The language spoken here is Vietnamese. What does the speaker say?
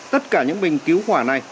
tất cả những bình cứu hỏa này